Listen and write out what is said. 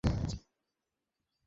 বড় তারকাঁটা দাও।